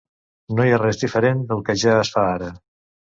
No hi ha res diferent del que ja es fa ara.